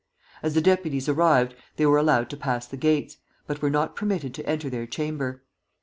As the deputies arrived they were allowed to pass the gates, but were not permitted to enter their chamber.